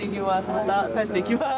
また帰ってきます。